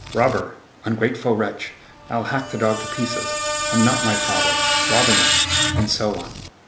"Robber!... Ungrateful wretch!... I'll hack the dog to pieces! I'm not my father!... Robbing us!..." and so on.